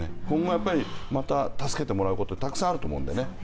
今後、また助けてもらうことはたくさんあると思うんでね。